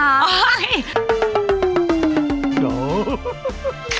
ไม่